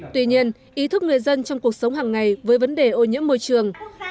tuy nhiên ý thức người dân trong cuộc sống hàng ngày với vấn đề ô nhiễm môi trường